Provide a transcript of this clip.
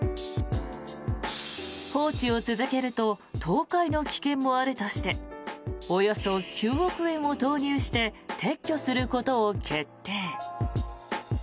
放置を続けると倒壊の危険もあるとしておよそ９億円を投入して撤去することを決定。